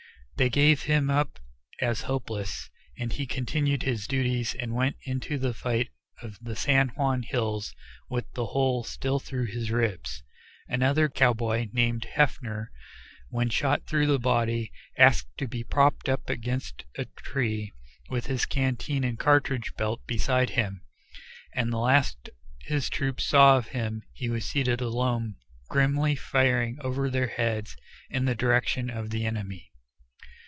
They gave him up as hopeless, and he continued his duties and went into the fight of the San Juan hills with the hole still through his ribs. Another cowboy named Heffner, when shot through the body, asked to be propped up against a tree with his canteen and cartridge belt beside him, and the last his troop saw of him he was seated alone grimly firing over their heads in the direction of the enemy.